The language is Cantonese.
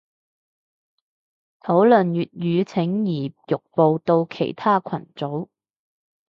討論粵語請移玉步到其他群組